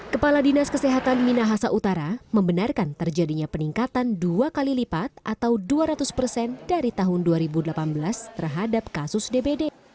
kepala dinas kesehatan minahasa utara membenarkan terjadinya peningkatan dua kali lipat atau dua ratus persen dari tahun dua ribu delapan belas terhadap kasus dpd